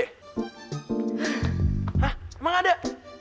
hah emang ada